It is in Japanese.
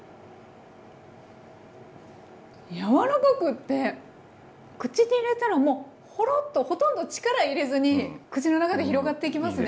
柔らかくって口に入れたらもうホロッとほとんど力入れずに口の中で広がっていきますね。